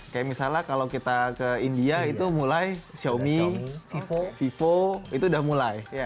kayak misalnya kalau kita ke india itu mulai xiaomi vivo itu udah mulai